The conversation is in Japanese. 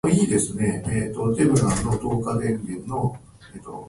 道路が少し混んでいる。